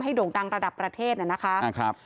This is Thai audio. ให้โด่งดังระดับประเทศนะครับ